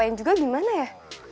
yang juga gimana ya